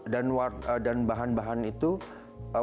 dan bahan bahan itu warna warna yang alami